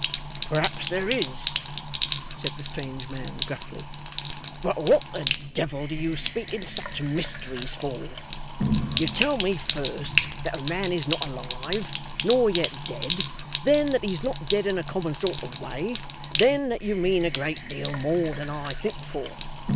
'Perhaps there is,' said the strange man, gruffly; 'but what the devil do you speak in such mysteries for? You tell me, first, that a man is not alive, nor yet dead then, that he's not dead in a common sort of way then, that you mean a great deal more than I think for.